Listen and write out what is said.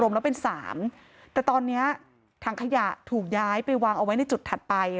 แล้วเป็นสามแต่ตอนนี้ถังขยะถูกย้ายไปวางเอาไว้ในจุดถัดไป